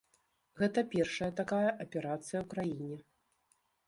Гэта першая такая аперацыя ў краіне.